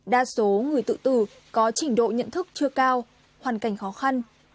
đa số người tự tử có trình độ nhận thức chưa cao hoàn cảnh khó khăn